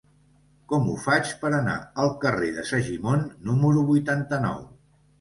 Com ho faig per anar al carrer de Segimon número vuitanta-nou?